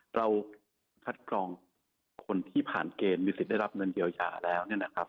เราคัดกรองคนที่ผ่านเกณฑ์มีสิทธิ์ได้รับเงินเยียวยาแล้วเนี่ยนะครับ